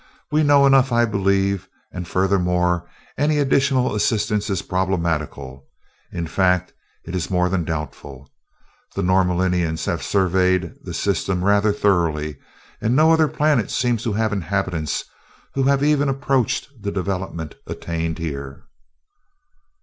"We know enough, I believe; and furthermore, any additional assistance is problematical; in fact, it is more than doubtful. The Norlaminians have surveyed the system rather thoroughly, and no other planet seems to have inhabitants who have even approached the development attained here."